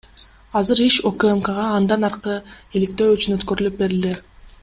Азыр иш УКМКга андан аркы иликтөө үчүн өткөрүлүп берилди.